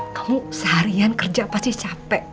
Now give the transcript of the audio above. kamu seharian kerja pasti capek